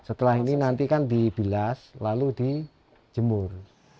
setelah ini nanti kan dibilas lalu dijemur